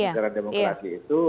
negara demokrasi itu